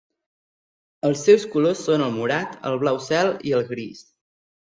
Els seus colors són el morat, el blau cel i el gris.